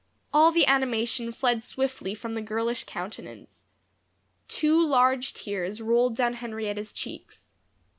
All the animation fled swiftly from the girlish countenance. Two large tears rolled down Henrietta's cheeks.